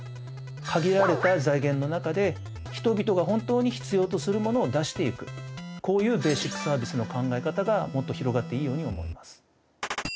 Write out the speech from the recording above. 限られた財源の中で人々が本当に必要とするものを出していくこういうベーシックサービスの考え方がもっと広がっていいように思います。